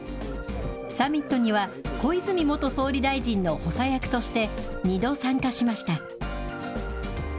サミットには、小泉元総理大臣の補佐役として２度参加しました。